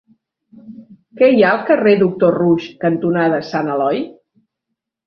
Què hi ha al carrer Doctor Roux cantonada Sant Eloi?